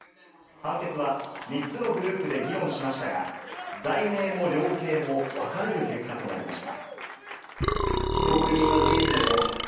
判決は３つのグループで議論しましたが、罪名も量刑もわかれる結果となりました。